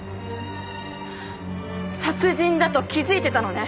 殺人だと気づいてたのね。